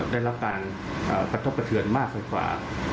ได้รับการกระทบกระเทือนมากไปกว่า